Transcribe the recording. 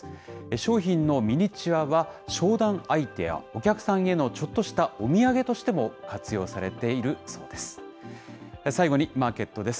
商品のミニチュアは、商談相手やお客さんへのちょっとしたお土産としても活用されているそうです。